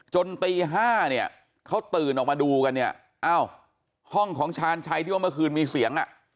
จนตี๕เขาตื่นออกมาดูกันห้องของชาญชัยที่ว่าเมื่อคืนมีเสียง